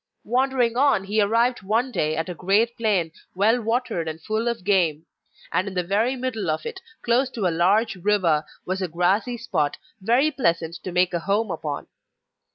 Wandering on he arrived one day at a great plain, well watered and full of game; and in the very middle of it, close to a large river, was a grassy spot, very pleasant to make a home upon.